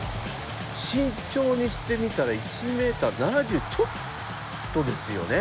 身長にしてみたら１メートル７０ちょっとですよね。